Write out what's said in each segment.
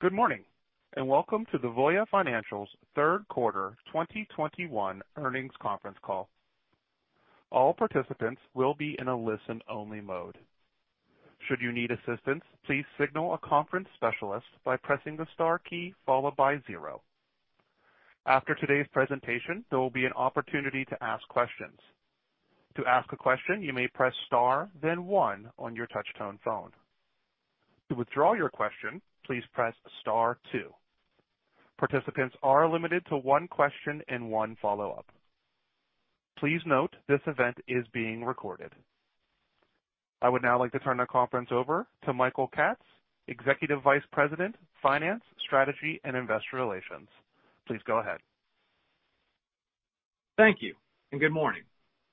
Good morning. Welcome to the Voya Financial's third quarter 2021 earnings conference call. All participants will be in a listen-only mode. Should you need assistance, please signal a conference specialist by pressing the star key followed by zero. After today's presentation, there will be an opportunity to ask questions. To ask a question, you may press star then one on your touch tone phone. To withdraw your question, please press star two. Participants are limited to one question and one follow-up. Please note this event is being recorded. I would now like to turn the conference over to Michael Katz, Executive Vice President, Finance, Strategy, and Investor Relations. Please go ahead. Thank you. Good morning.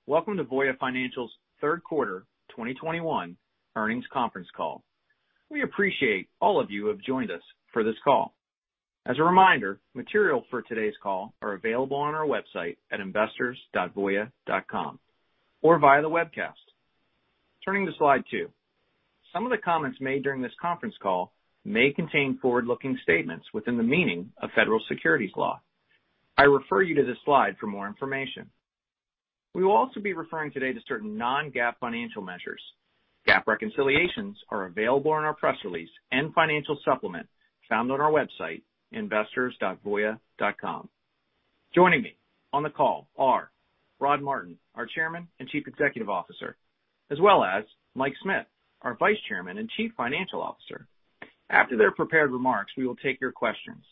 Welcome to Voya Financial's third quarter 2021 earnings conference call. We appreciate all of you who have joined us for this call. As a reminder, materials for today's call are available on our website at investors.voya.com or via the webcast. Turning to slide two. Some of the comments made during this conference call may contain forward-looking statements within the meaning of federal securities law. I refer you to this slide for more information. We will also be referring today to certain non-GAAP financial measures. GAAP reconciliations are available in our press release and financial supplement found on our website, investors.voya.com. Joining me on the call are Rod Martin, our Chairman and Chief Executive Officer, as well as Mike Smith, our Vice Chairman and Chief Financial Officer. After their prepared remarks, we will take your questions.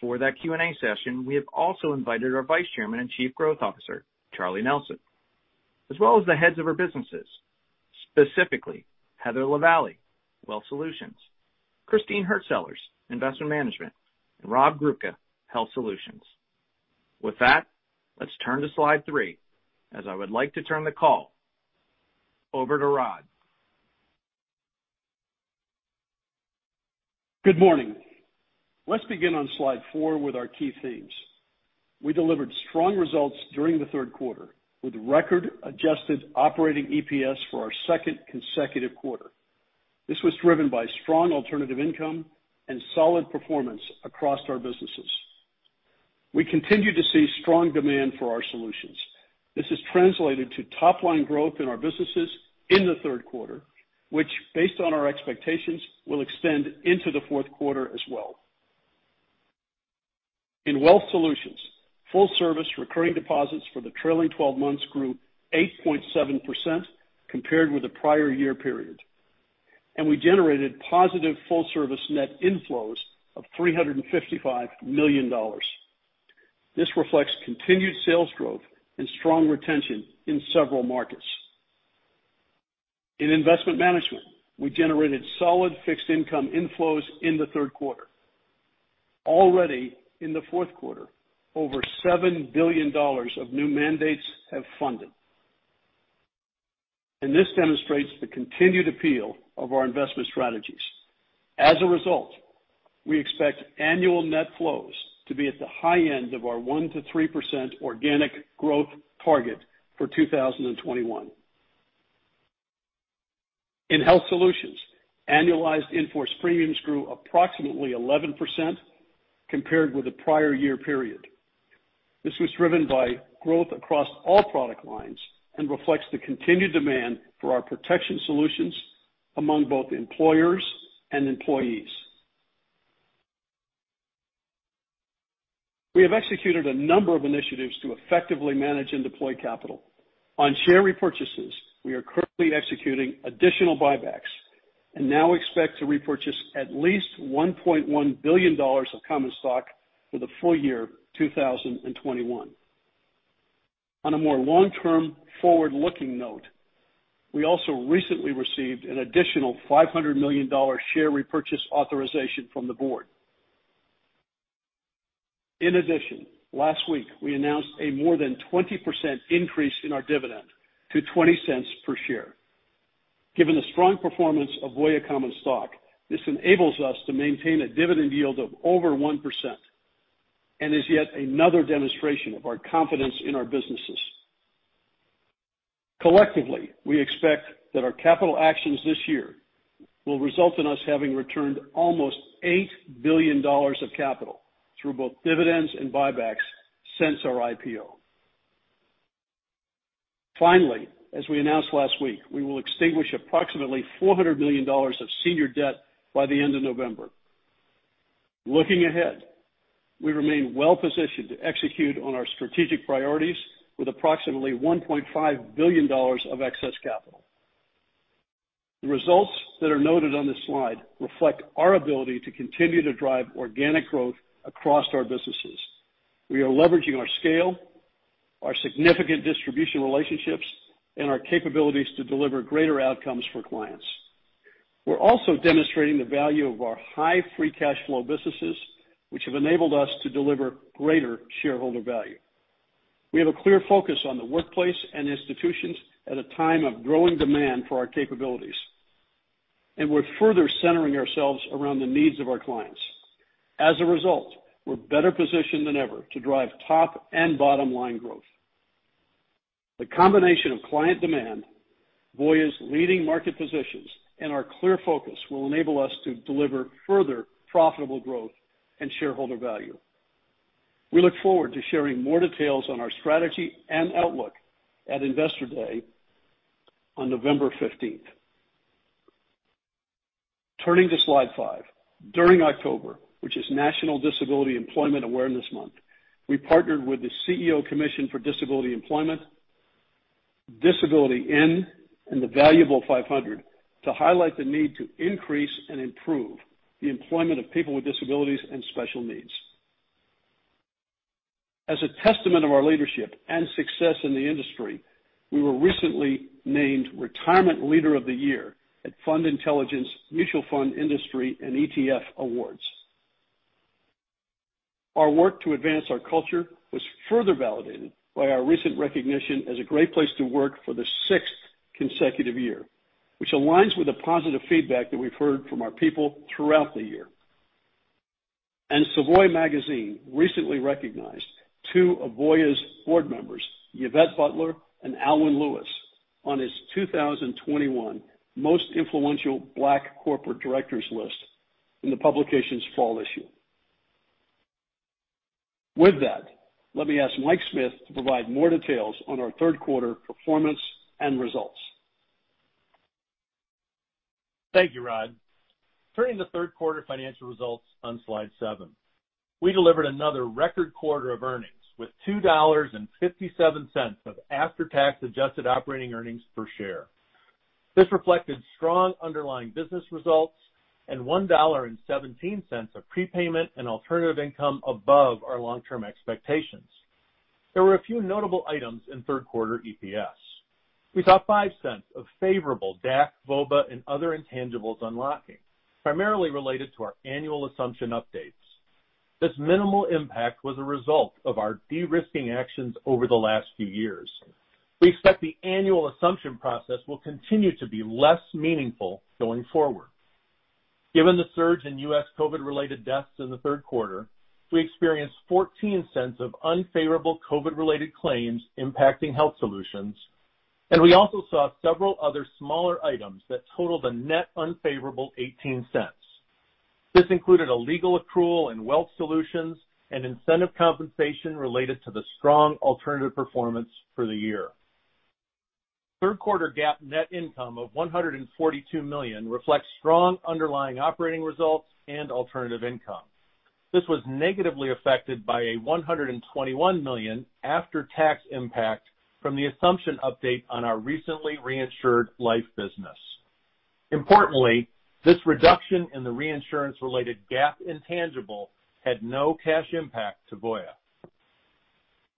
For that Q&A session, we have also invited our Vice Chairman and Chief Growth Officer, Charlie Nelson, as well as the heads of our businesses, specifically Heather Lavallee, Wealth Solutions, Christine Hurtsellers, Investment Management, and Robert Grubka, Health Solutions. With that, let's turn to slide three, as I would like to turn the call over to Rod. Good morning. Let's begin on slide four with our key themes. We delivered strong results during the third quarter with record adjusted operating EPS for our second consecutive quarter. This was driven by strong alternative income and solid performance across our businesses. We continue to see strong demand for our solutions. This has translated to top-line growth in our businesses in the third quarter, which, based on our expectations, will extend into the fourth quarter as well. In Wealth Solutions, full service recurring deposits for the trailing 12 months grew 8.7% compared with the prior year period, and we generated positive full service net inflows of $355 million. This reflects continued sales growth and strong retention in several markets. In Investment Management, we generated solid fixed income inflows in the third quarter. Already in the fourth quarter, over $7 billion of new mandates have funded, and this demonstrates the continued appeal of our investment strategies. As a result, we expect annual net flows to be at the high end of our 1%-3% organic growth target for 2021. In Health Solutions, annualized in-force premiums grew approximately 11% compared with the prior year period. This was driven by growth across all product lines and reflects the continued demand for our protection solutions among both employers and employees. We have executed a number of initiatives to effectively manage and deploy capital. On share repurchases, we are currently executing additional buybacks and now expect to repurchase at least $1.1 billion of common stock for the full year 2021. On a more long-term, forward-looking note, we also recently received an additional $500 million share repurchase authorization from the board. Last week, we announced a more than 20% increase in our dividend to $0.20 per share. Given the strong performance of Voya common stock, this enables us to maintain a dividend yield of over 1% and is yet another demonstration of our confidence in our businesses. Collectively, we expect that our capital actions this year will result in us having returned almost $8 billion of capital through both dividends and buybacks since our IPO. As we announced last week, we will extinguish approximately $400 million of senior debt by the end of November. Looking ahead, we remain well-positioned to execute on our strategic priorities with approximately $1.5 billion of excess capital. The results that are noted on this slide reflect our ability to continue to drive organic growth across our businesses. We are leveraging our scale, our significant distribution relationships, and our capabilities to deliver greater outcomes for clients. We are also demonstrating the value of our high free cash flow businesses, which have enabled us to deliver greater shareholder value. We have a clear focus on the workplace and institutions at a time of growing demand for our capabilities, and we are further centering ourselves around the needs of our clients. We are better positioned than ever to drive top and bottom line growth. The combination of client demand, Voya's leading market positions, and our clear focus will enable us to deliver further profitable growth and shareholder value. We look forward to sharing more details on our strategy and outlook at Investor Day on November 15th. Turning to slide five. During October, which is National Disability Employment Awareness Month, we partnered with the CEO Commission for Disability Employment, Disability:IN, and The Valuable 500 to highlight the need to increase and improve the employment of people with disabilities and special needs. As a testament of our leadership and success in the industry, we were recently named Retirement Leader of the Year at With Intelligence Mutual Fund and ETF Awards. Our work to advance our culture was further validated by our recent recognition as a Great Place to Work for the sixth consecutive year, which aligns with the positive feedback that we have heard from our people throughout the year. Savoy Magazine recently recognized two of Voya's board members, Yvette Butler and Aylwin Lewis, on its 2021 Most Influential Black Corporate Directors list in the publication's fall issue. With that, let me ask Mike Smith to provide more details on our third quarter performance and results. Thank you, Rod. Turning to third quarter financial results on slide seven. We delivered another record quarter of earnings with $2.57 of after-tax adjusted operating earnings per share. This reflected strong underlying business results and $1.17 of prepayment and alternative income above our long-term expectations. There were a few notable items in third quarter EPS. We saw $0.05 of favorable DAC, VOBA, and other intangibles unlocking, primarily related to our annual assumption updates. This minimal impact was a result of our de-risking actions over the last few years. We expect the annual assumption process will continue to be less meaningful going forward. Given the surge in U.S. COVID-related deaths in the third quarter, we experienced $0.14 of unfavorable COVID-related claims impacting Health Solutions, and we also saw several other smaller items that totaled a net unfavorable $0.18. This included a legal accrual in Wealth Solutions and incentive compensation related to the strong alternative performance for the year. Third quarter GAAP net income of $142 million reflects strong underlying operating results and alternative income. This was negatively affected by a $121 million after-tax impact from the assumption update on our recently reinsured life business. Importantly, this reduction in the reinsurance-related GAAP intangible had no cash impact to Voya.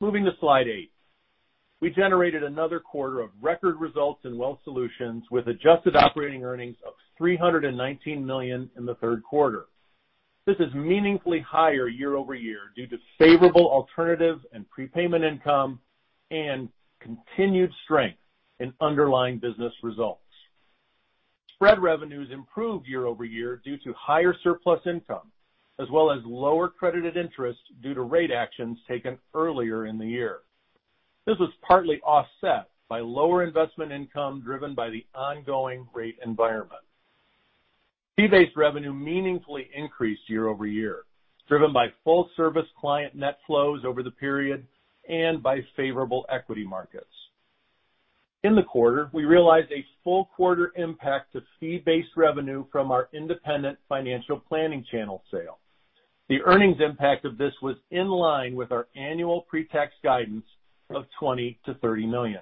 Moving to slide eight. We generated another quarter of record results in Wealth Solutions with adjusted operating earnings of $319 million in the third quarter. This is meaningfully higher year-over-year due to favorable alternative and prepayment income and continued strength in underlying business results. Spread revenues improved year-over-year due to higher surplus income, as well as lower credited interest due to rate actions taken earlier in the year. This was partly offset by lower investment income driven by the ongoing rate environment. Fee-based revenue meaningfully increased year-over-year, driven by full service client net flows over the period and by favorable equity markets. In the quarter, we realized a full quarter impact to fee-based revenue from our independent financial planning channel sale. The earnings impact of this was in line with our annual pre-tax guidance of $20 million-$30 million.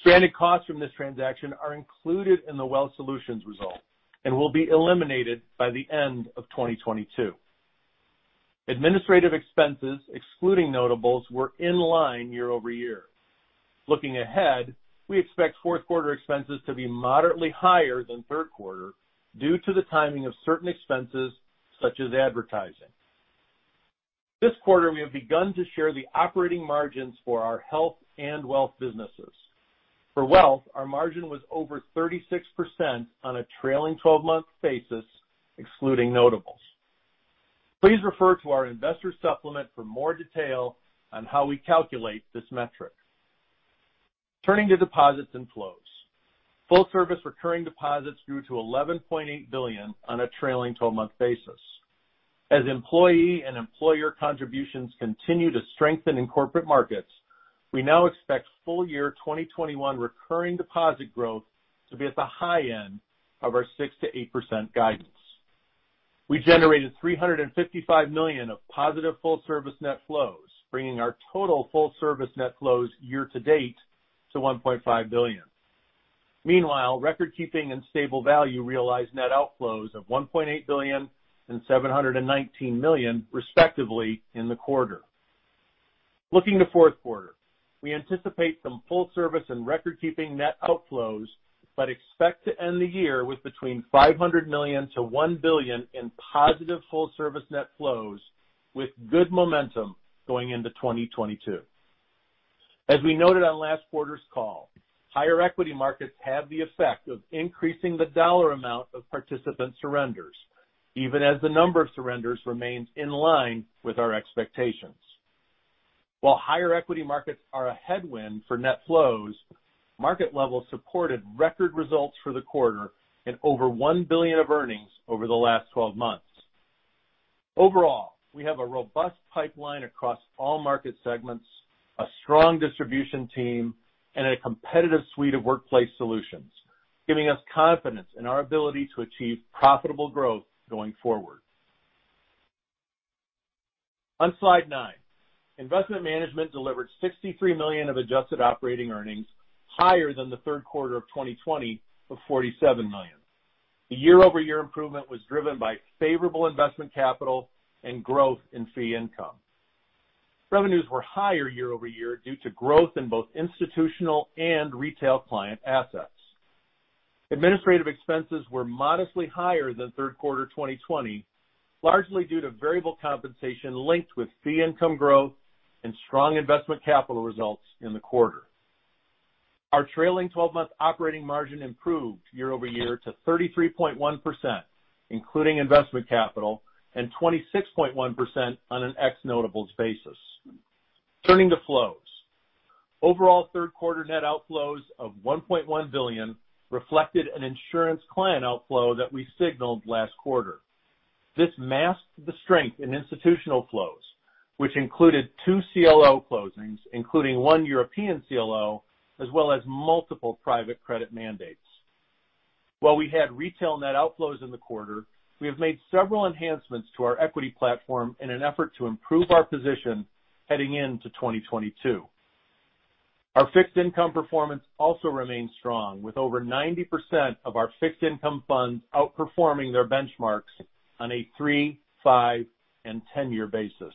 Standard costs from this transaction are included in the Wealth Solutions result and will be eliminated by the end of 2022. Administrative expenses, excluding notables, were in line year-over-year. Looking ahead, we expect fourth quarter expenses to be moderately higher than third quarter due to the timing of certain expenses such as advertising. This quarter, we have begun to share the operating margins for our health and wealth businesses. For wealth, our margin was over 36% on a trailing 12-month basis, excluding notables. Please refer to our investor supplement for more detail on how we calculate this metric. Turning to deposits and flows. Full service recurring deposits grew to $11.8 billion on a trailing 12-month basis. As employee and employer contributions continue to strengthen in corporate markets, we now expect full year 2021 recurring deposit growth to be at the high end of our 6%-8% guidance. We generated $355 million of positive full service net flows, bringing our total full service net flows year to date to $1.5 billion. Meanwhile, recordkeeping and stable value realized net outflows of $1.8 billion and $719 million, respectively, in the quarter. Looking to fourth quarter, we anticipate some full service and recordkeeping net outflows, but expect to end the year with between $500 million and $1 billion in positive full service net flows with good momentum going into 2022. As we noted on last quarter's call, higher equity markets have the effect of increasing the dollar amount of participant surrenders. Even as the number of surrenders remains in line with our expectations. While higher equity markets are a headwind for net flows, market levels supported record results for the quarter and over $1 billion of earnings over the last 12 months. Overall, we have a robust pipeline across all market segments, a strong distribution team, and a competitive suite of workplace solutions, giving us confidence in our ability to achieve profitable growth going forward. On slide nine, Investment Management delivered $63 million of adjusted operating earnings, higher than the third quarter of 2020 of $47 million. The year-over-year improvement was driven by favorable investment capital and growth in fee income. Revenues were higher year-over-year due to growth in both institutional and retail client assets. Administrative expenses were modestly higher than third quarter 2020, largely due to variable compensation linked with fee income growth and strong investment capital results in the quarter. Our trailing 12-month operating margin improved year-over-year to 33.1%, including investment capital, and 26.1% on an ex notables basis. Turning to flows. Overall third quarter net outflows of $1.1 billion reflected an insurance client outflow that we signaled last quarter. This masked the strength in institutional flows, which included two CLO closings, including one European CLO, as well as multiple private credit mandates. While we had retail net outflows in the quarter, we have made several enhancements to our equity platform in an effort to improve our position heading into 2022. Our fixed income performance also remains strong, with over 90% of our fixed income funds outperforming their benchmarks on a three, five, and 10-year basis.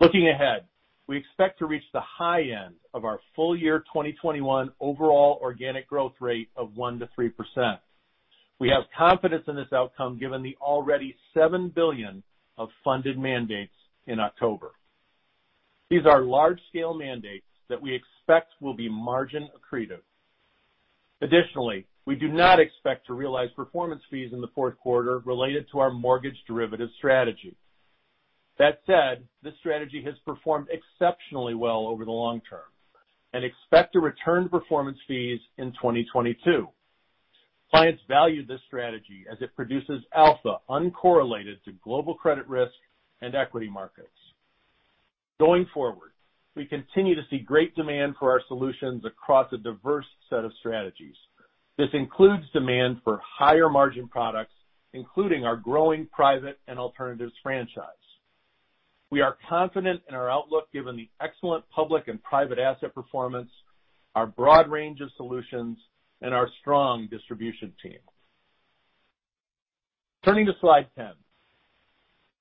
Looking ahead, we expect to reach the high end of our full year 2021 overall organic growth rate of 1%-3%. We have confidence in this outcome given the already $7 billion of funded mandates in October. These are large-scale mandates that we expect will be margin accretive. Additionally, we do not expect to realize performance fees in the fourth quarter related to our mortgage derivative strategy. That said, this strategy has performed exceptionally well over the long term and expect to return performance fees in 2022. Clients value this strategy as it produces alpha uncorrelated to global credit risk and equity markets. Going forward, we continue to see great demand for our solutions across a diverse set of strategies. This includes demand for higher margin products, including our growing private and alternatives franchise. We are confident in our outlook given the excellent public and private asset performance, our broad range of solutions, and our strong distribution team. Turning to slide 10.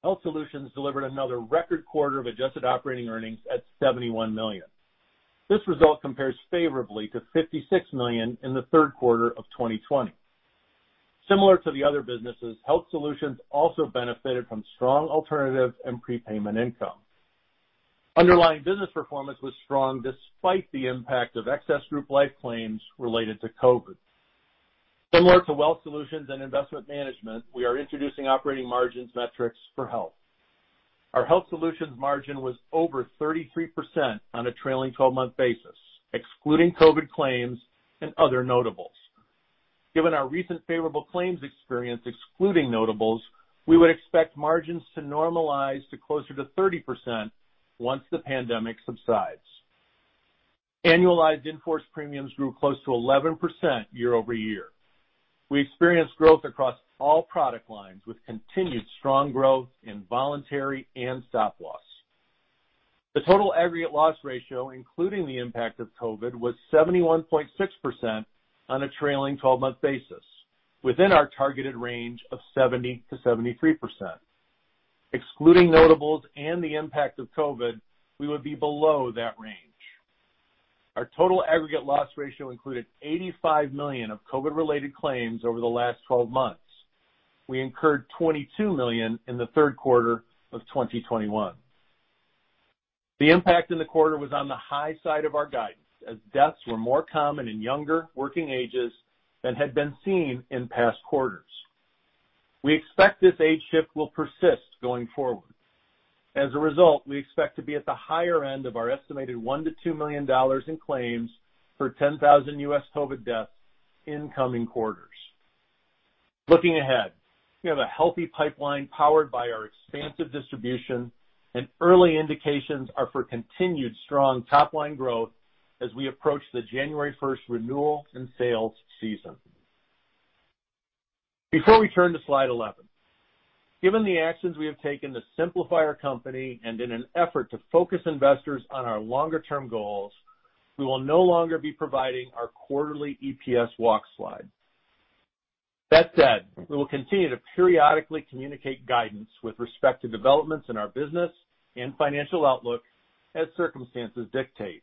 Health Solutions delivered another record quarter of adjusted operating earnings at $71 million. This result compares favorably to $56 million in the third quarter of 2020. Similar to the other businesses, Health Solutions also benefited from strong alternative and prepayment income. Underlying business performance was strong despite the impact of excess group life claims related to COVID. Similar to Wealth Solutions and Investment Management, we are introducing operating margins metrics for Health. Our Health Solutions margin was over 33% on a trailing 12-month basis, excluding COVID claims and other notables. Given our recent favorable claims experience excluding notables, we would expect margins to normalize to closer to 30% once the pandemic subsides. Annualized in-force premiums grew close to 11% year-over-year. We experienced growth across all product lines with continued strong growth in voluntary and stop loss. The total aggregate loss ratio, including the impact of COVID, was 71.6% on a trailing 12-month basis, within our targeted range of 70%-73%. Excluding notables and the impact of COVID, we would be below that range. Our total aggregate loss ratio included $85 million of COVID-related claims over the last 12 months. We incurred $22 million in the third quarter of 2021. The impact in the quarter was on the high side of our guidance, as deaths were more common in younger working ages than had been seen in past quarters. We expect this age shift will persist going forward. As a result, we expect to be at the higher end of our estimated $1 million to $2 million in claims per 10,000 U.S. COVID deaths in coming quarters. Looking ahead, we have a healthy pipeline powered by our expansive distribution, and early indications are for continued strong top-line growth as we approach the January 1st renewal and sales season. Before we turn to slide 11, given the actions we have taken to simplify our company and in an effort to focus investors on our longer-term goals, we will no longer be providing our quarterly EPS walk slide. That said, we will continue to periodically communicate guidance with respect to developments in our business and financial outlook as circumstances dictate.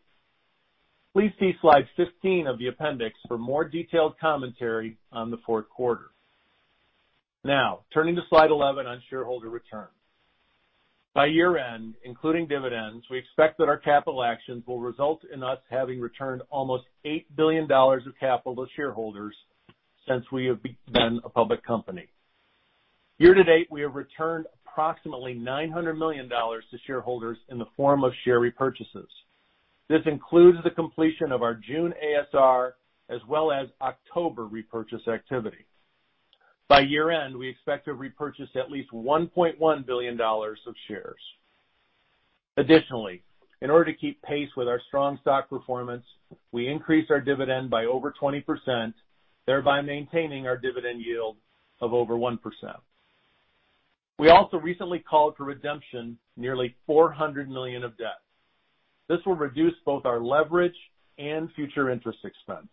Please see slide 15 of the appendix for more detailed commentary on the fourth quarter. Now, turning to slide 11 on shareholder return. By year-end, including dividends, we expect that our capital actions will result in us having returned almost $8 billion of capital to shareholders since we have been a public company. Year-to-date, we have returned approximately $900 million to shareholders in the form of share repurchases. This includes the completion of our June ASR as well as October repurchase activity. By year-end, we expect to repurchase at least $1.1 billion of shares. Additionally, in order to keep pace with our strong stock performance, we increased our dividend by over 20%, thereby maintaining our dividend yield of over 1%. We also recently called for redemption nearly $400 million of debt. This will reduce both our leverage and future interest expense.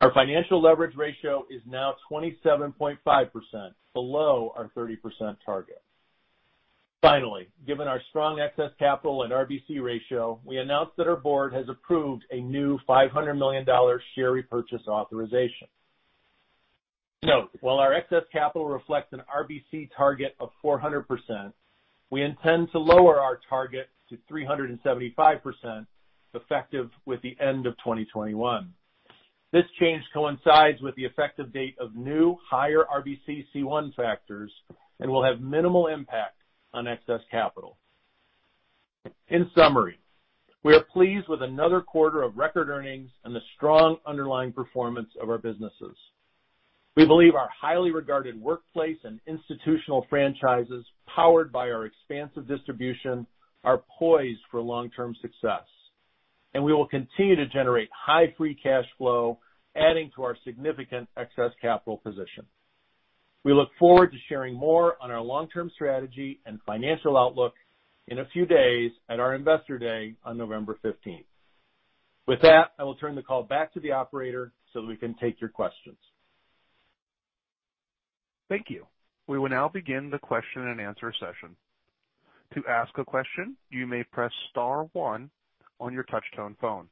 Our financial leverage ratio is now 27.5%, below our 30% target. Given our strong excess capital and RBC ratio, we announced that our board has approved a new $500 million share repurchase authorization. Note, while our excess capital reflects an RBC target of 400%, we intend to lower our target to 375% effective with the end of 2021. This change coincides with the effective date of new, higher RBC C1 factors and will have minimal impact on excess capital. In summary, we are pleased with another quarter of record earnings and the strong underlying performance of our businesses. We believe our highly regarded workplace and institutional franchises, powered by our expansive distribution, are poised for long-term success, we will continue to generate high free cash flow, adding to our significant excess capital position. We look forward to sharing more on our long-term strategy and financial outlook in a few days at our Investor Day on November 15th. With that, I will turn the call back to the operator so that we can take your questions. Thank you. We will now begin the question and answer session. To ask a question, you may press star one on your touch-tone phone.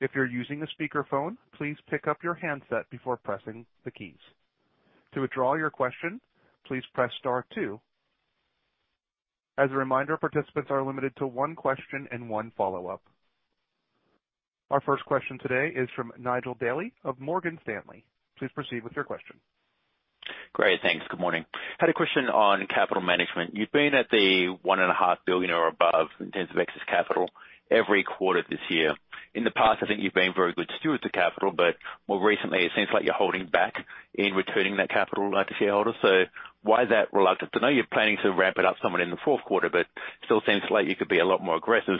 If you're using a speakerphone, please pick up your handset before pressing the keys. To withdraw your question, please press star two. As a reminder, participants are limited to one question and one follow-up. Our first question today is from Nigel Dally of Morgan Stanley. Please proceed with your question. Great. Thanks. Good morning. Had a question on capital management. You've been at the $1.5 billion or above in terms of excess capital every quarter this year. In the past, I think you've been very good stewards of capital, more recently, it seems like you're holding back in returning that capital back to shareholders. Why that reluctance? I know you're planning to ramp it up somewhat in the fourth quarter, still seems like you could be a lot more aggressive,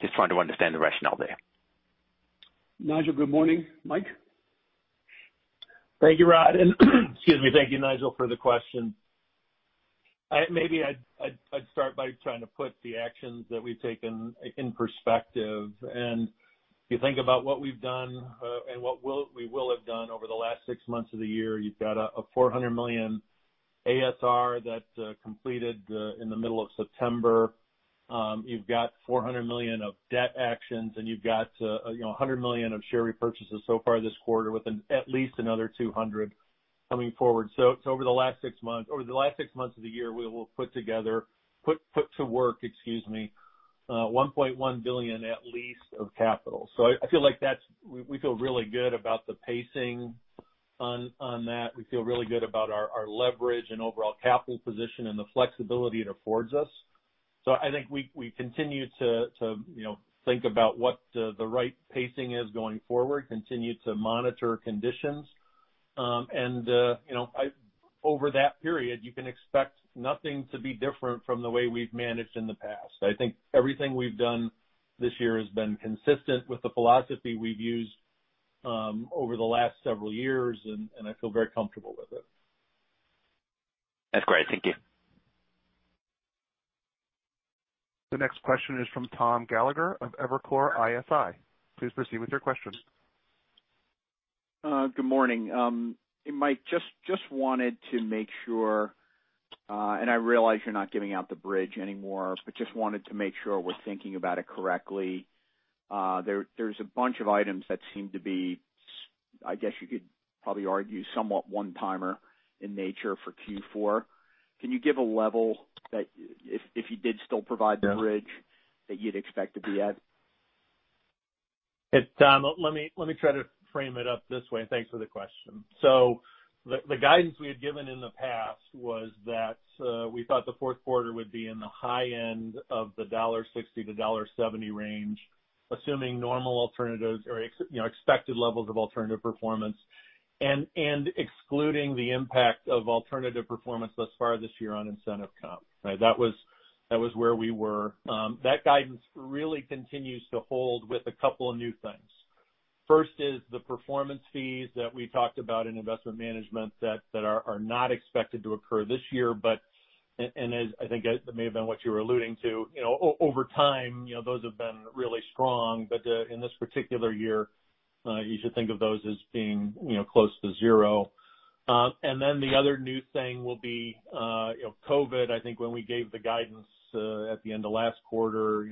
just trying to understand the rationale there. Nigel, good morning. Mike? Thank you, Rod. Excuse me. Thank you, Nigel, for the question. Maybe I'd start by trying to put the actions that we've taken in perspective. If you think about what we've done and what we will have done over the last 6 months of the year, you've got a $400 million ASR that completed in the middle of September. You've got $400 million of debt actions, and you've got $100 million of share repurchases so far this quarter, with at least another 200 coming forward. Over the last 6 months of the year, we will put to work, excuse me, $1.1 billion at least of capital. I feel like we feel really good about the pacing on that. We feel really good about our leverage and overall capital position and the flexibility it affords us. I think we continue to think about what the right pacing is going forward, continue to monitor conditions. Over that period, you can expect nothing to be different from the way we've managed in the past. I think everything we've done this year has been consistent with the philosophy we've used over the last several years, and I feel very comfortable with it. That's great. Thank you. The next question is from Thomas Gallagher of Evercore ISI. Please proceed with your question. Good morning. Mike, just wanted to make sure, and I realize you're not giving out the bridge anymore, but just wanted to make sure we're thinking about it correctly. There's a bunch of items that seem to be, I guess you could probably argue, somewhat one-timer in nature for Q4. Can you give a level that if you did still provide the bridge, that you'd expect to be at? Hey, Tom. Let me try to frame it up this way, and thanks for the question. The guidance we had given in the past was that we thought the fourth quarter would be in the high end of the $1.60-$1.70 range, assuming normal alternatives or expected levels of alternative performance and excluding the impact of alternative performance thus far this year on incentive comp. That was where we were. That guidance really continues to hold with a couple of new things. First is the performance fees that we talked about in Voya Investment Management that are not expected to occur this year. As I think that may have been what you were alluding to, over time, those have been really strong. In this particular year, you should think of those as being close to zero. The other new thing will be COVID. I think when we gave the guidance at the end of last quarter,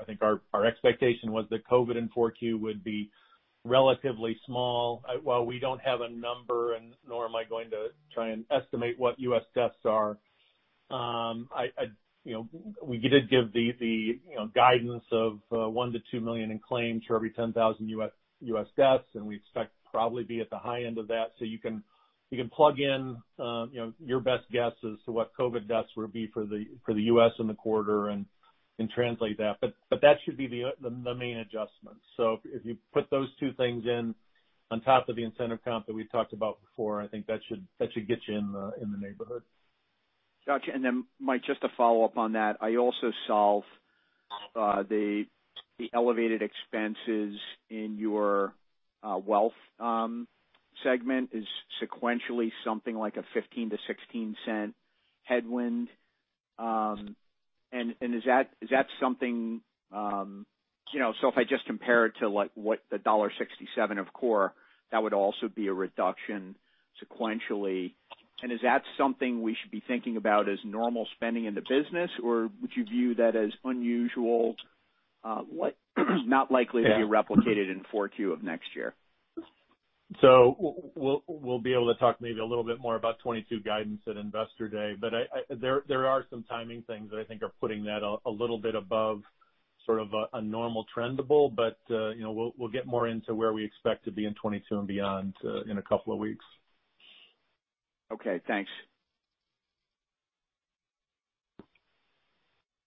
I think our expectation was that COVID in 4Q would be relatively small. While we don't have a number, nor am I going to try and estimate what U.S. deaths are, we did give the guidance of $1 million-$2 million in claims for every 10,000 U.S. deaths, and we expect probably be at the high end of that. You can plug in your best guess as to what COVID deaths would be for the U.S. in the quarter and translate that. That should be the main adjustment. If you put those two things in on top of the incentive comp that we talked about before, I think that should get you in the neighborhood. Got you. Mike, just to follow up on that, I also saw the elevated expenses in your Wealth Solutions is sequentially something like a $0.15-$0.16 headwind. If I just compare it to what the $1.67 of core, that would also be a reduction sequentially. Is that something we should be thinking about as normal spending in the business, or would you view that as unusual, not likely to be replicated in 4Q of next year? We'll be able to talk maybe a little bit more about 2022 guidance at Investor Day. There are some timing things that I think are putting that a little bit above sort of a normal trendable. We'll get more into where we expect to be in 2022 and beyond in a couple of weeks. Okay, thanks.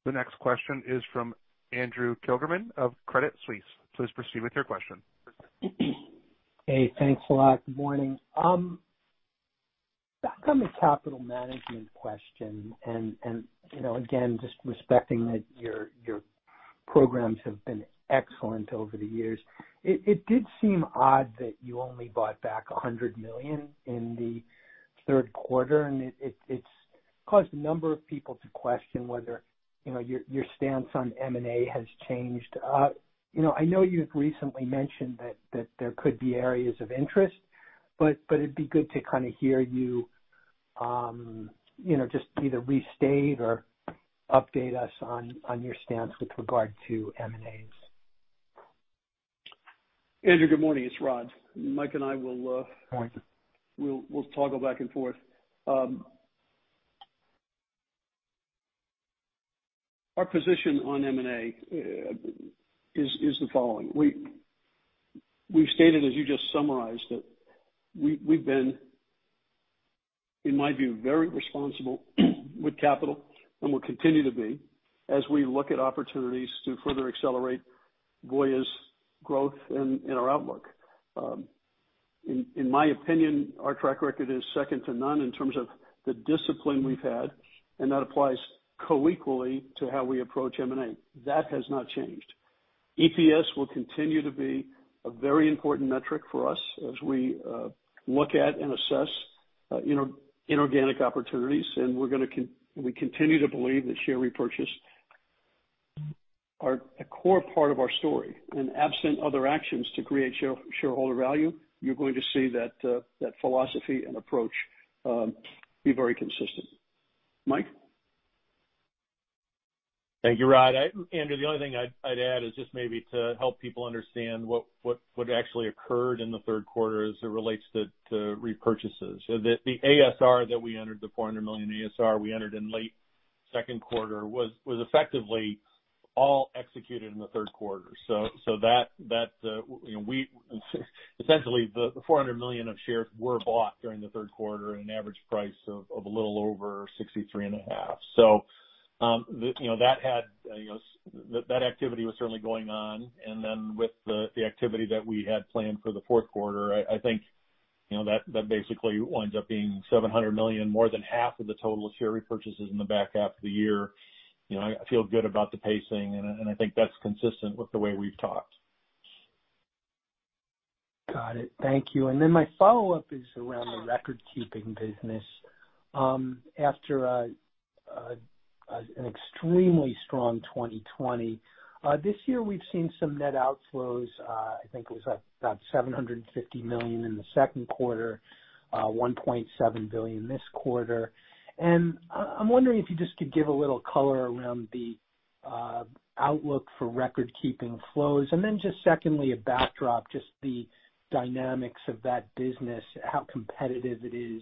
The next question is from Andrew Kligerman of Credit Suisse. Please proceed with your question. Hey, thanks a lot. Good morning. Back on the capital management question, again, just respecting that your programs have been excellent over the years. It did seem odd that you only bought back $100 million in the third quarter, it's caused a number of people to question whether your stance on M&A has changed. I know you've recently mentioned that there could be areas of interest, it'd be good to kind of hear you just either restate or update us on your stance with regard to M&A. Andrew, good morning. It's Rod. Mike and I will Morning we'll toggle back and forth. Our position on M&A is the following. We've stated, as you just summarized, that we've been, in my view, very responsible with capital and will continue to be as we look at opportunities to further accelerate Voya's growth and our outlook. In my opinion, our track record is second to none in terms of the discipline we've had, and that applies coequally to how we approach M&A. That has not changed. EPS will continue to be a very important metric for us as we look at and assess inorganic opportunities, and we continue to believe that share repurchase are a core part of our story. Absent other actions to create shareholder value, you're going to see that philosophy and approach be very consistent. Mike? Thank you, Rod. Andrew, the only thing I'd add is just maybe to help people understand what actually occurred in the third quarter as it relates to repurchases. The ASR that we entered, the $400 million ASR we entered in late second quarter was effectively all executed in the third quarter. Essentially, the $400 million of shares were bought during the third quarter at an average price of a little over $63.5. That activity was certainly going on. With the activity that we had planned for the fourth quarter, I think that basically winds up being $700 million, more than half of the total share repurchases in the back half of the year. I feel good about the pacing, and I think that's consistent with the way we've talked. Got it. Thank you. My follow-up is around the record-keeping business. After an extremely strong 2020, this year we've seen some net outflows, I think it was about $750 million in the second quarter, $1.7 billion this quarter. I'm wondering if you just could give a little color around the outlook for record keeping flows. Just secondly, a backdrop, just the dynamics of that business, how competitive it is,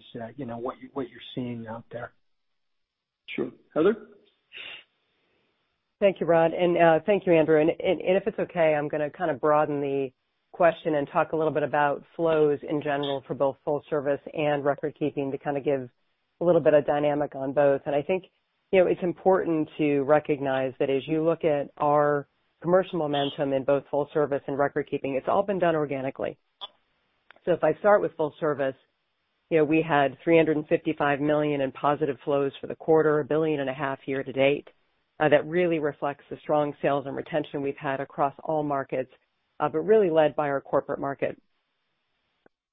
what you're seeing out there. Sure. Heather? Thank you, Rod, and thank you, Andrew. If it's okay, I'm going to kind of broaden the question and talk a little bit about flows in general for both full service and recordkeeping to kind of give a little bit of dynamic on both. I think it's important to recognize that as you look at our commercial momentum in both full service and recordkeeping, it's all been done organically. If I start with full service, we had $355 million in positive flows for the quarter, $1.5 billion year to date. That really reflects the strong sales and retention we've had across all markets, but really led by our corporate market.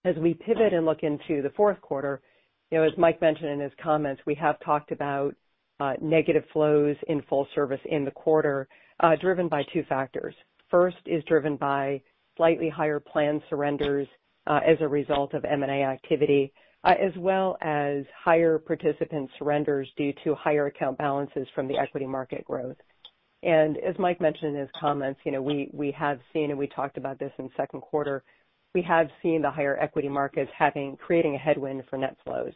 As we pivot and look into the fourth quarter, as Mike mentioned in his comments, we have talked about negative flows in full service in the quarter, driven by two factors. First is driven by slightly higher plan surrenders as a result of M&A activity, as well as higher participant surrenders due to higher account balances from the equity market growth. As Mike mentioned in his comments, we have seen, and we talked about this in the second quarter, we have seen the higher equity markets creating a headwind for net flows.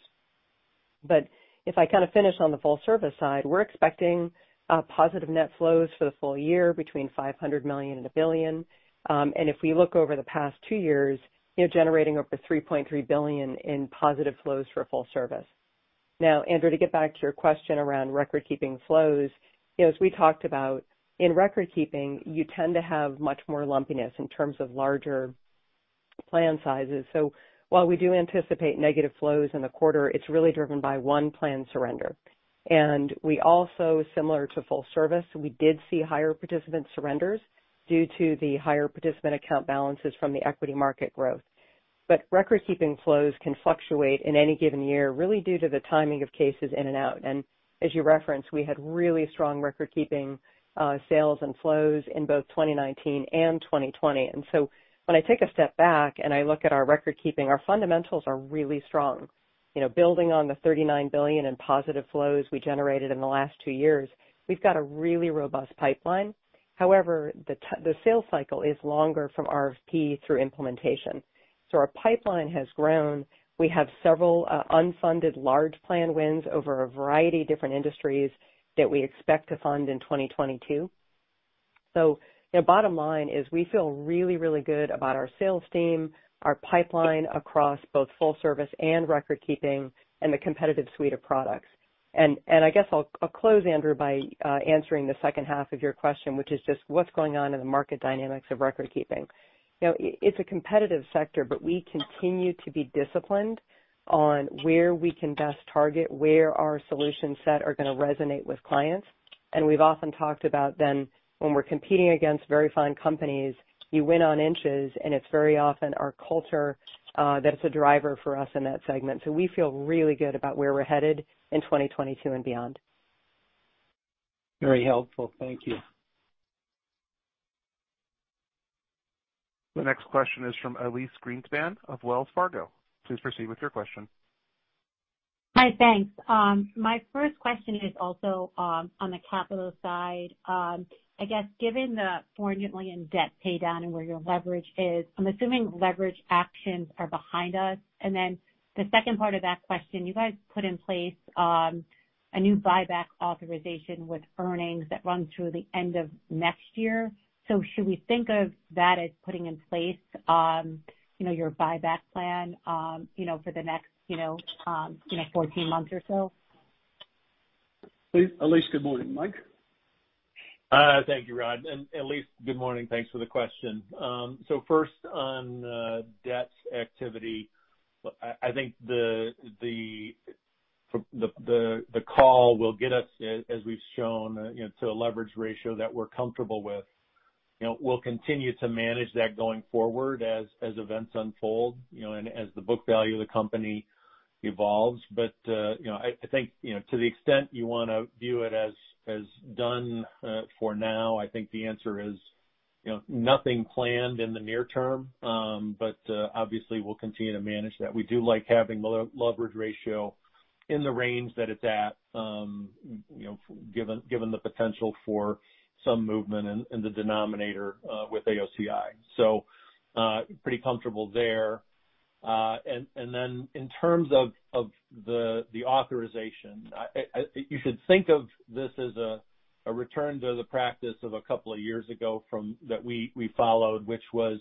If I finish on the full service side, we're expecting positive net flows for the full year between $500 million-$1 billion. If we look over the past two years, generating over $3.3 billion in positive flows for full service. Now, Andrew, to get back to your question around recordkeeping flows, as we talked about, in recordkeeping, you tend to have much more lumpiness in terms of larger plan sizes. While we do anticipate negative flows in the quarter, it's really driven by one plan surrender. We also, similar to full service, we did see higher participant surrenders due to the higher participant account balances from the equity market growth. Recordkeeping flows can fluctuate in any given year, really due to the timing of cases in and out. As you referenced, we had really strong recordkeeping sales and flows in both 2019 and 2020. When I take a step back and I look at our recordkeeping, our fundamentals are really strong. Building on the $39 billion in positive flows we generated in the last two years, we've got a really robust pipeline. However, the sales cycle is longer from RFP through implementation. Our pipeline has grown. We have several unfunded large plan wins over a variety of different industries that we expect to fund in 2022. The bottom line is we feel really, really good about our sales team, our pipeline across both full service and recordkeeping, and the competitive suite of products. I guess I'll close, Andrew, by answering the second half of your question, which is just what's going on in the market dynamics of recordkeeping. It's a competitive sector, but we continue to be disciplined on where we can best target where our solution set are going to resonate with clients. We've often talked about then when we're competing against very fine companies, you win on inches, and it's very often our culture that's a driver for us in that segment. We feel really good about where we're headed in 2022 and beyond. Very helpful. Thank you. The next question is from Elyse Greenspan of Wells Fargo. Please proceed with your question. Hi. Thanks. My first question is also on the capital side. I guess given the $400 million debt pay down and where your leverage is, I'm assuming leverage actions are behind us. The second part of that question, you guys put in place a new buyback authorization with earnings that run through the end of next year. Should we think of that as putting in place your buyback plan for the next 14 months or so? Elyse, good morning. Mike? Thank you, Rod. Elyse, good morning. Thanks for the question. First on debt activity, I think the call will get us, as we've shown, to a leverage ratio that we're comfortable with. We'll continue to manage that going forward as events unfold, and as the book value of the company evolves. I think to the extent you want to view it as done for now, I think the answer is nothing planned in the near term. Obviously we'll continue to manage that. We do like having leverage ratio in the range that it's at given the potential for some movement in the denominator with AOCI. Pretty comfortable there. Then in terms of the authorization, you should think of this as a return to the practice of a couple of years ago that we followed, which was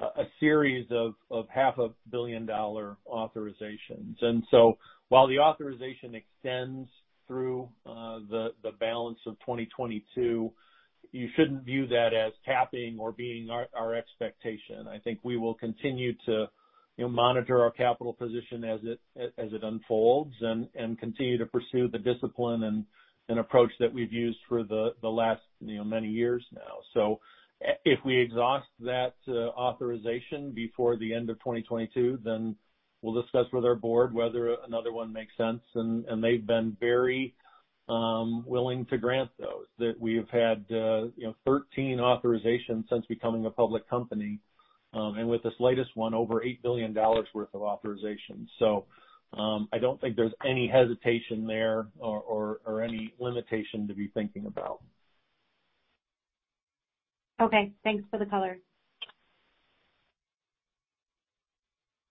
a series of half a billion dollar authorizations. While the authorization extends through the balance of 2022, you shouldn't view that as capping or being our expectation. I think we will continue to monitor our capital position as it unfolds and continue to pursue the discipline and approach that we've used for the last many years now. If we exhaust that authorization before the end of 2022, then we'll discuss with our board whether another one makes sense, and they've been very willing to grant those. We've had 13 authorizations since becoming a public company. With this latest one, over $8 billion worth of authorizations. I don't think there's any hesitation there or any limitation to be thinking about. Okay. Thanks for the color.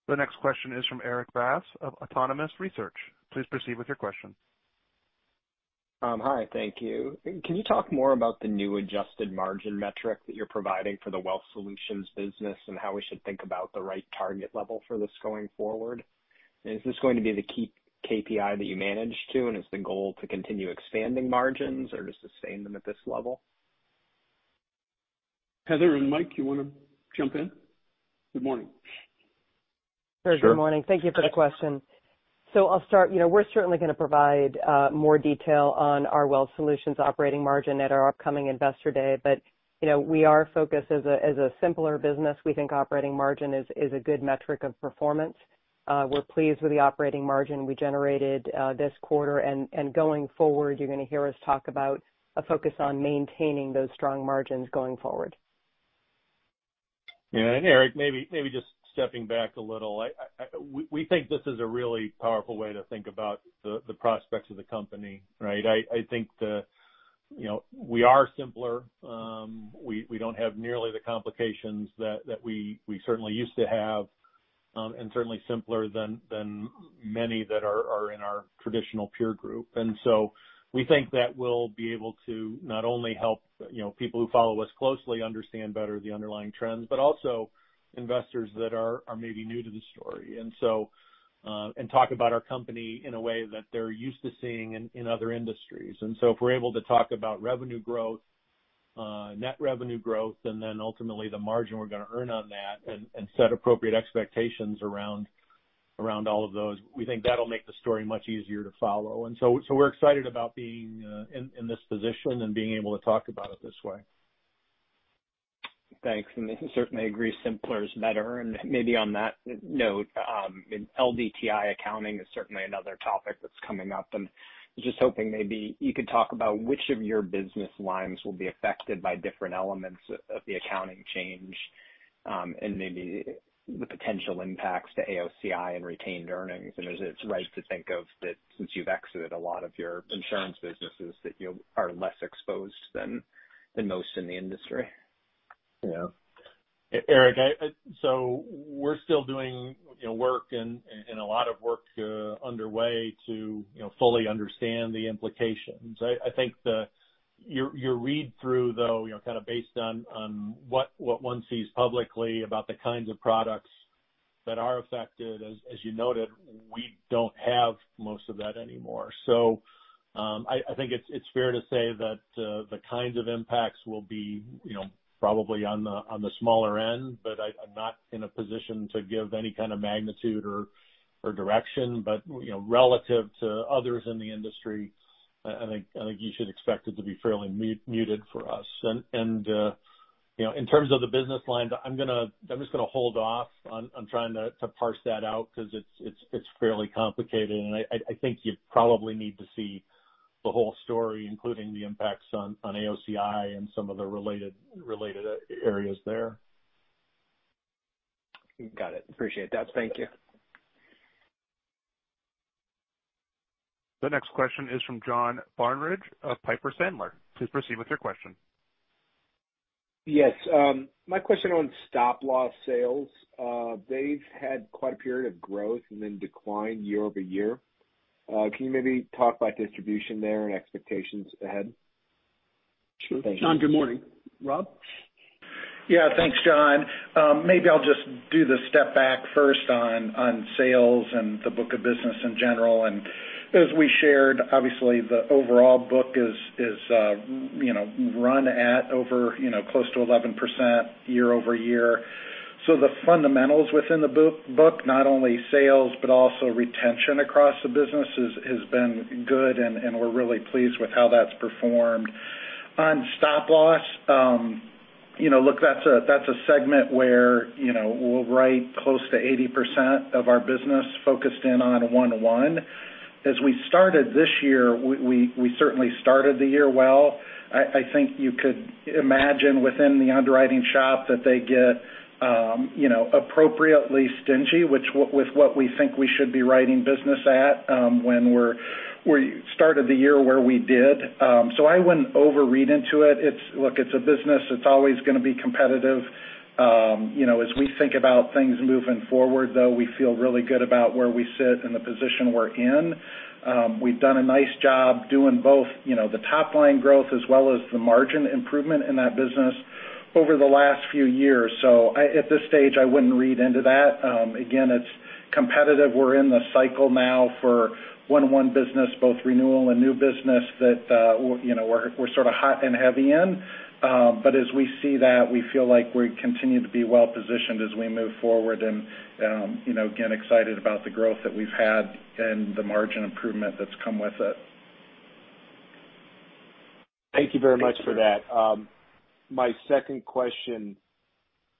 The next question is from Erik Bass of Autonomous Research. Please proceed with your question. Hi. Thank you. Can you talk more about the new adjusted margin metric that you're providing for the Wealth Solutions business and how we should think about the right target level for this going forward? Is this going to be the key KPI that you manage to, and is the goal to continue expanding margins or to sustain them at this level? Heather and Mike, you want to jump in? Good morning. Erik, good morning. Thank you for the question. I'll start. We're certainly going to provide more detail on our Wealth Solutions operating margin at our upcoming Investor Day. We are focused as a simpler business. We think operating margin is a good metric of performance. We're pleased with the operating margin we generated this quarter, going forward, you're going to hear us talk about a focus on maintaining those strong margins going forward. Yeah. Erik, maybe just stepping back a little, we think this is a really powerful way to think about the prospects of the company, right? I think that we are simpler. We don't have nearly the complications that we certainly used to have, and certainly simpler than many that are in our traditional peer group. We think that we'll be able to not only help people who follow us closely understand better the underlying trends, but also investors that are maybe new to the story. Talk about our company in a way that they're used to seeing in other industries. If we're able to talk about revenue growth, net revenue growth, and then ultimately the margin we're going to earn on that and set appropriate expectations around all of those, we think that'll make the story much easier to follow. We're excited about being in this position and being able to talk about it this way. Thanks. Certainly agree simpler is better. Maybe on that note, LDTI accounting is certainly another topic that's coming up, and was just hoping maybe you could talk about which of your business lines will be affected by different elements of the accounting change, and maybe the potential impacts to AOCI and retained earnings. Is it right to think of that since you've exited a lot of your insurance businesses that you are less exposed than most in the industry? Yeah. Erik, we're still doing work and a lot of work underway to fully understand the implications. I think your read-through, though, kind of based on what one sees publicly about the kinds of products that are affected, as you noted, we don't have most of that anymore. I think it's fair to say that the kinds of impacts will be probably on the smaller end, but I'm not in a position to give any kind of magnitude or direction. Relative to others in the industry, I think you should expect it to be fairly muted for us. In terms of the business lines, I'm just going to hold off on trying to parse that out because it's fairly complicated, and I think you probably need to see the whole story, including the impacts on AOCI and some of the related areas there. Got it. Appreciate that. Thank you. The next question is from John Barnidge of Piper Sandler. Please proceed with your question. Yes. My question on stop loss sales. They've had quite a period of growth and then decline year-over-year. Can you maybe talk about distribution there and expectations ahead? Sure. Thank you. John, good morning. Rob? Yeah. Thanks, John. Maybe I'll just do the step back first on sales and the book of business in general. As we shared, obviously the overall book is run at over close to 11% year-over-year. The fundamentals within the book, not only sales, but also retention across the business has been good, and we're really pleased with how that's performed. On stop loss, look, that's a segment where we'll write close to 80% of our business focused in on 1/1. As we started this year, we certainly started the year well. I think you could imagine within the underwriting shop that they get appropriately stingy with what we think we should be writing business at when we started the year where we did. I wouldn't overread into it. Look, it's a business. It's always going to be competitive. As we think about things moving forward, though, we feel really good about where we sit and the position we're in. We've done a nice job doing both the top-line growth as well as the margin improvement in that business over the last few years. At this stage, I wouldn't read into that. Again, it's competitive. We're in the cycle now for one-to-one business, both renewal and new business that we're sort of hot and heavy in. As we see that, we feel like we continue to be well-positioned as we move forward and again, excited about the growth that we've had and the margin improvement that's come with it. Thank you very much for that. My second question,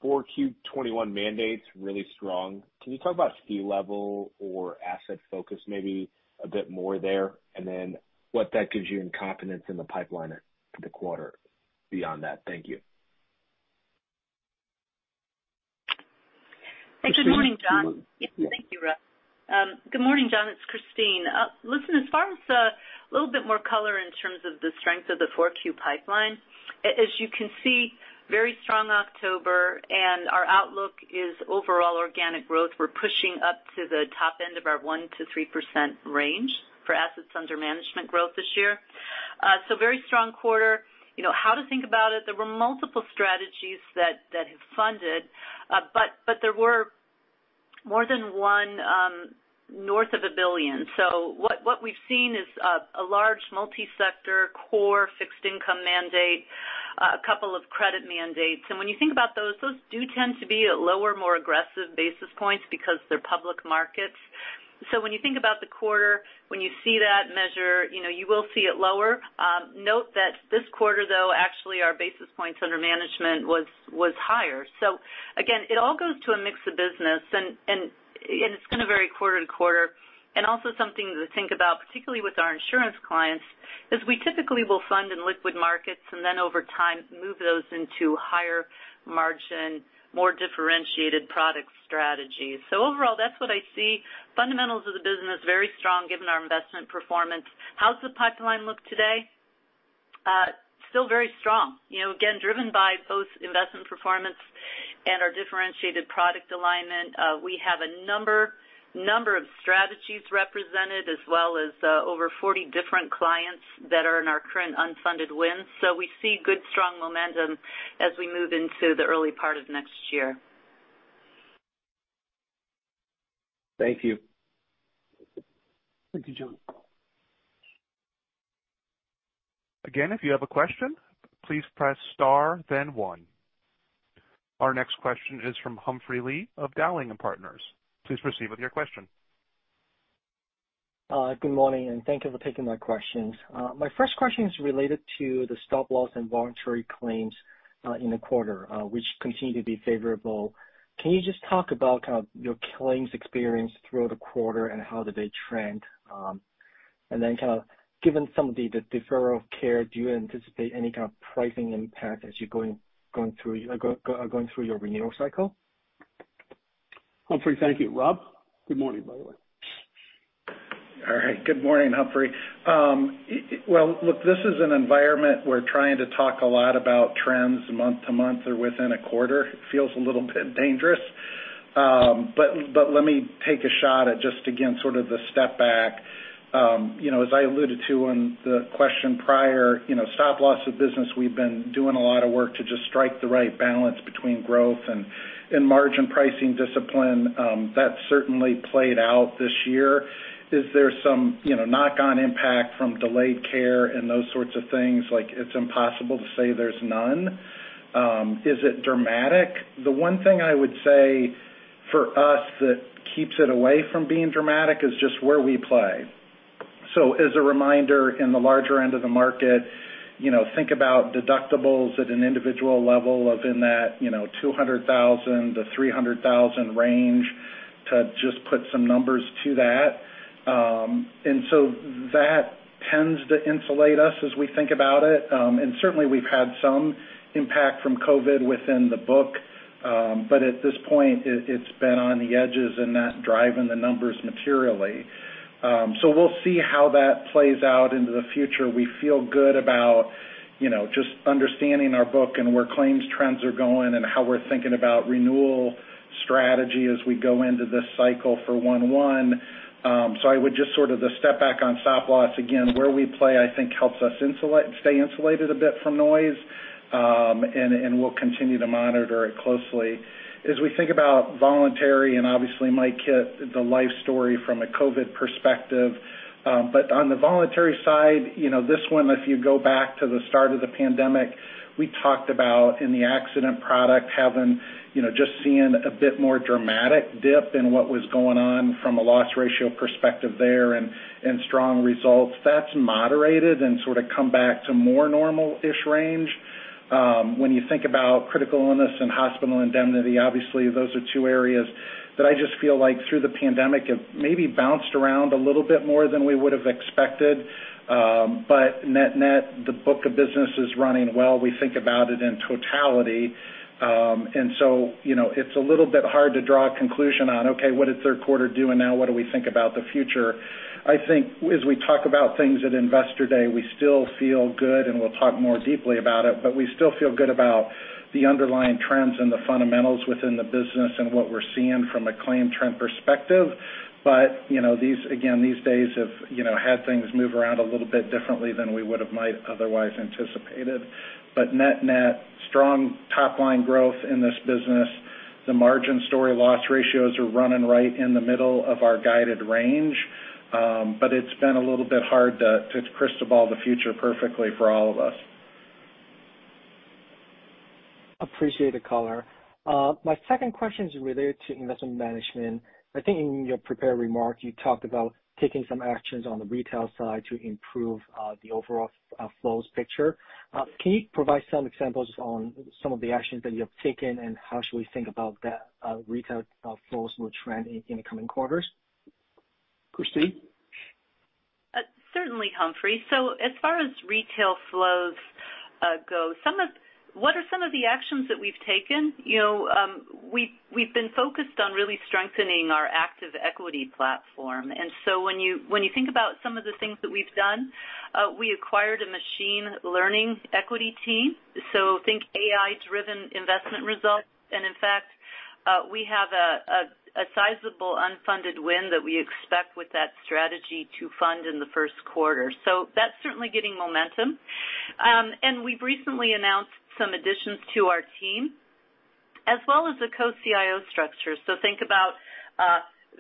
4Q 2021 mandate's really strong. Can you talk about fee level or asset focus maybe a bit more there, and then what that gives you in confidence in the pipeline for the quarter beyond that? Thank you. Christine? Good morning, John. Yes. Thank you, Rod. Good morning, John, it's Christine. As far as a little bit more color in terms of the strength of the Q4 pipeline, as you can see, very strong October. Our outlook is overall organic growth. We're pushing up to the top end of our 1%-3% range for assets under management growth this year. Very strong quarter. How to think about it? There were multiple strategies that have funded, but there were more than one north of $1 billion. What we've seen is a large multi-sector core fixed income mandate, a couple of credit mandates. When you think about those do tend to be at lower, more aggressive basis points because they're public markets. When you think about the quarter, when you see that measure, you will see it lower. Note that this quarter, though, actually our basis points under management was higher. Again, it all goes to a mix of business. It's going to vary quarter to quarter. Also something to think about, particularly with our insurance clients. As we typically will fund in liquid markets and then over time, move those into higher margin, more differentiated product strategies. Overall, that's what I see. Fundamentals of the business, very strong given our investment performance. How's the pipeline look today? Still very strong. Again, driven by both investment performance and our differentiated product alignment. We have a number of strategies represented, as well as over 40 different clients that are in our current unfunded win. We see good, strong momentum as we move into the early part of next year. Thank you. Thank you, John. Again, if you have a question, please press star then one. Our next question is from Humphrey Lee of Dowling & Partners. Please proceed with your question. Good morning, and thank you for taking my questions. My first question is related to the stop loss and voluntary claims in the quarter, which continue to be favorable. Can you just talk about your claims experience throughout the quarter, and how did they trend? Then kind of given some of the deferral of care, do you anticipate any kind of pricing impact as you're going through your renewal cycle? Humphrey, thank you. Rob? Good morning, by the way. All right. Good morning, Humphrey. Well, look, this is an environment we're trying to talk a lot about trends month to month or within a quarter. It feels a little bit dangerous. Let me take a shot at just again, sort of the step back. As I alluded to on the question prior, stop loss of business, we've been doing a lot of work to just strike the right balance between growth and margin pricing discipline. That certainly played out this year. Is there some knock-on impact from delayed care and those sorts of things? It's impossible to say there's none. Is it dramatic? The one thing I would say for us that keeps it away from being dramatic is just where we play. As a reminder, in the larger end of the market, think about deductibles at an individual level of in that $200,000-$300,000 range to just put some numbers to that. That tends to insulate us as we think about it. Certainly, we've had some impact from COVID within the book. At this point, it's been on the edges and not driving the numbers materially. We'll see how that plays out into the future. We feel good about just understanding our book and where claims trends are going and how we're thinking about renewal strategy as we go into this cycle for one-one. I would just sort of the step back on stop loss again, where we play, I think helps us stay insulated a bit from noise. We'll continue to monitor it closely. As we think about voluntary, obviously Mike hit the life story from a COVID perspective. On the voluntary side, this one, if you go back to the start of the pandemic, we talked about in the accident product, just seeing a bit more dramatic dip in what was going on from a loss ratio perspective there and strong results. That's moderated and sort of come back to more normal-ish range. When you think about critical illness and hospital indemnity, obviously, those are two areas that I just feel like through the pandemic have maybe bounced around a little bit more than we would've expected. Net, the book of business is running well. We think about it in totality. It's a little bit hard to draw a conclusion on, okay, what did third quarter do, and now what do we think about the future? I think as we talk about things at Investor Day, we still feel good, we'll talk more deeply about it, we still feel good about the underlying trends and the fundamentals within the business and what we're seeing from a claim trend perspective. Again, these days have had things move around a little bit differently than we would've might otherwise anticipated. Net, strong top-line growth in this business. The margin story loss ratios are running right in the middle of our guided range. It's been a little bit hard to crystal ball the future perfectly for all of us. Appreciate the color. My second question is related to Investment Management. I think in your prepared remarks, you talked about taking some actions on the retail side to improve the overall flows picture. Can you provide some examples on some of the actions that you have taken, and how should we think about that retail flows will trend in the coming quarters? Christine? Certainly, Humphrey. As far as retail flows go, what are some of the actions that we've taken? We've been focused on really strengthening our active equity platform. When you think about some of the things that we've done, we acquired a machine learning equity team, so think AI-driven investment results. In fact, we have a sizable unfunded win that we expect with that strategy to fund in the first quarter. That's certainly getting momentum. We've recently announced some additions to our team, as well as the co-CIO structure. Think about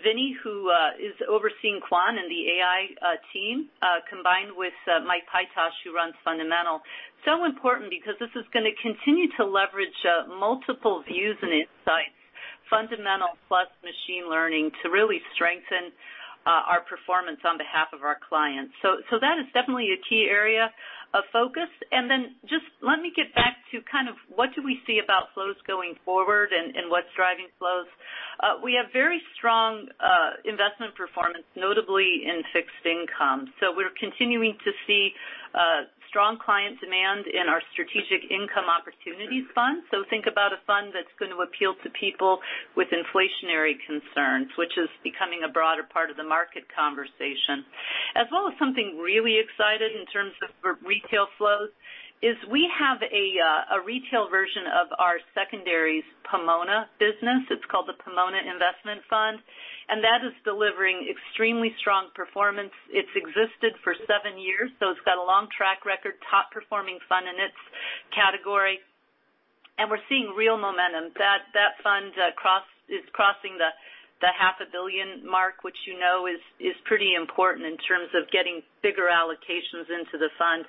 Vinnie, who is overseeing Quant and the AI team, combined with Mike Pytosh, who runs fundamental. Important because this is going to continue to leverage multiple views and insights, fundamental plus machine learning, to really strengthen our performance on behalf of our clients. That is definitely a key area of focus. Just let me get back to kind of what do we see about flows going forward and what's driving flows. We have very strong investment performance, notably in fixed income. We're continuing to see strong client demand in our Voya Strategic Income Opportunities Fund. Think about a fund that's going to appeal to people with inflationary concerns, which is becoming a broader part of the market conversation. As well as something really exciting in terms of retail flows, is we have a retail version of our secondaries Pomona business. It's called the Pomona Investment Fund, and that is delivering extremely strong performance. It's existed for seven years, it's got a long track record, top performing fund in its category, and we're seeing real momentum. That fund is crossing the half a billion mark, which you know is pretty important in terms of getting bigger allocations into the fund.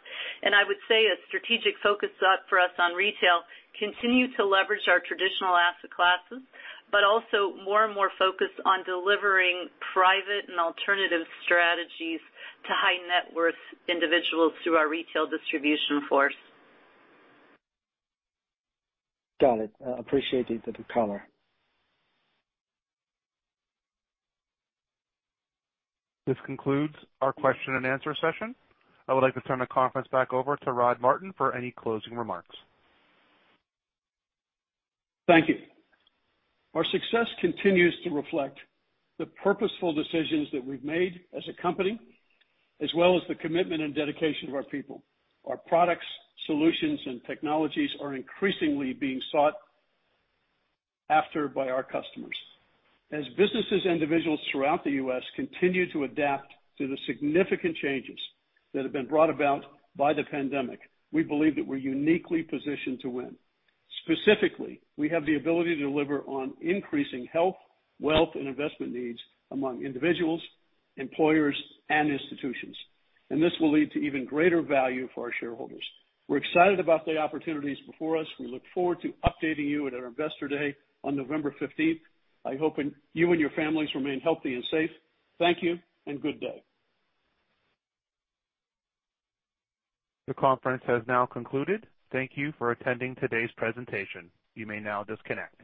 I would say a strategic focus for us on retail, continue to leverage our traditional asset classes, but also more and more focused on delivering private and alternative strategies to high net worth individuals through our retail distribution force. Got it. I appreciate the color. This concludes our question and answer session. I would like to turn the conference back over to Rodney Martin for any closing remarks. Thank you. Our success continues to reflect the purposeful decisions that we've made as a company, as well as the commitment and dedication of our people. Our products, solutions, and technologies are increasingly being sought after by our customers. As businesses and individuals throughout the U.S. continue to adapt to the significant changes that have been brought about by the pandemic, we believe that we're uniquely positioned to win. Specifically, we have the ability to deliver on increasing health, wealth, and investment needs among individuals, employers, and institutions. This will lead to even greater value for our shareholders. We're excited about the opportunities before us. We look forward to updating you at our Investor Day on November 15th. I hope you and your families remain healthy and safe. Thank you and good day. The conference has now concluded. Thank you for attending today's presentation. You may now disconnect.